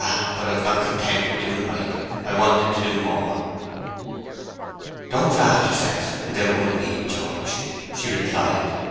but I was not content with doing right, I wanted to do more!" "Don't raft yourself without good need, George," she replied.